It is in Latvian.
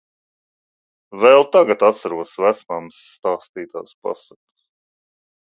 Vēl tagad atceros vecmammas stāstītās pasakas!